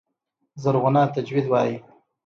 زرغونه تجوید وايي.